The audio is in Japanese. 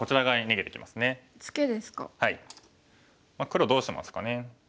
黒どうしますかね。